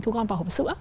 thu gom vào hộp sữa